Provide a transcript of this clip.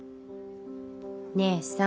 姉さん